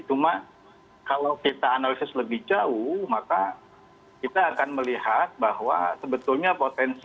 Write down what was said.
cuma kalau kita analisis lebih jauh maka kita akan melihat bahwa sebetulnya potensi